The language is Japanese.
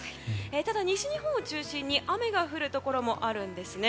ただ西日本を中心に雨が降るところもあるんですね。